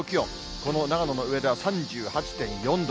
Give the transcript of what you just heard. この長野の上田では３８．４度。